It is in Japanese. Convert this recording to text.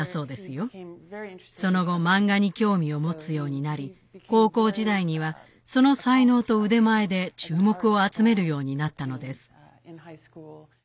その後漫画に興味を持つようになり高校時代にはその才能と腕前で注目を集めるようになったのです。